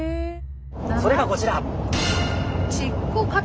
それがこちら。